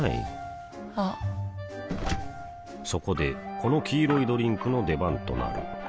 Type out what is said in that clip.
あっそこでこの黄色いドリンクの出番となる